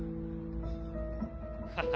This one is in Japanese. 「ハハハハ！」